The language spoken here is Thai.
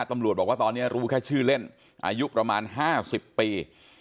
ตำรวจบอกว่าตอนนี้รู้แค่ชื่อเล่นอายุประมาณ๕๐ปี